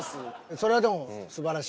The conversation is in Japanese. それはでも素晴らしい。